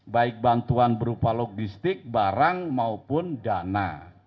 baik bantuan berupa logistik barang maupun dana